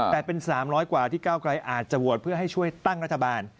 แต่เป็น๓๐๐กว่าที่เก้าไกรอาจจะโหวตเพื่อให้ช่วยตั้งรัฐบาล